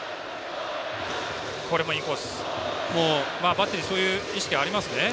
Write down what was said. バッテリーそういう意識ありますね。